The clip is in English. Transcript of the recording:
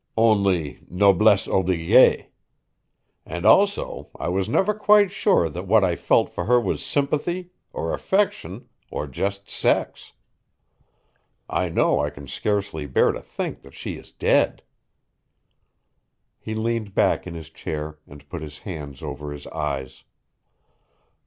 Only, noblesse oblige. And also I was never quite sure that what I felt for her was sympathy, or affection, or just sex. I know I can scarcely bear to think that she is dead." He leaned back in his chair and put his hands over his eyes.